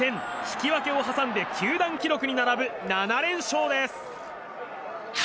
引き分けを挟んで球団記録に並ぶ７連勝です！